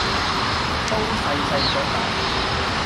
都細細嚼爛，